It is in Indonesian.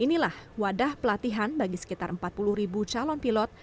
inilah wadah pelatihan bagi sekitar empat puluh ribu calon pilot